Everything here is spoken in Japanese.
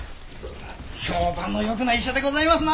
評判のよくない医者でございますな。